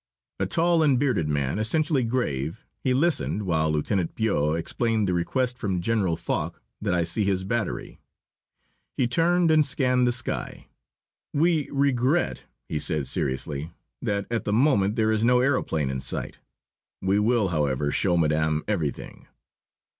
A tall and bearded man, essentially grave, he listened while Lieutenant Puaux explained the request from General Foch that I see his battery. He turned and scanned the sky. "We regret," he said seriously, "that at the moment there is no aëroplane in sight. We will, however, show Madame everything."